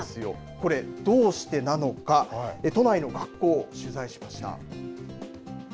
これどうしてなのか都内の学校を取材しました。